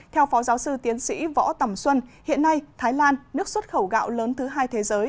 theo phó giáo sư tiến sĩ võ tầm xuân hiện nay thái lan nước xuất khẩu gạo lớn thứ hai thế giới